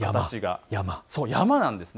そう山なんです。